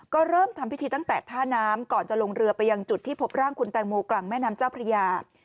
ก็เริ่มทำพิธีตั้งแต่ท่าน้ำก่อนจะลงเรือไปยังจุดที่พบร่างคุณแตงโมกลางแม่น้ำเจ้าพระยา